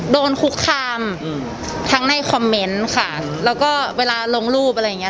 โดนคุกคามอืมทั้งในคอมเมนต์ค่ะแล้วก็เวลาลงรูปอะไรอย่างเงี้